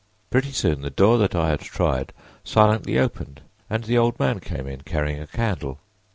Pretty soon the door that I had tried silently opened and the old man came in, carrying a candle.